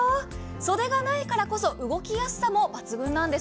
袖がないからこそ動きやすさも抜群なんです。